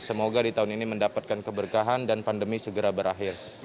semoga di tahun ini mendapatkan keberkahan dan pandemi segera berakhir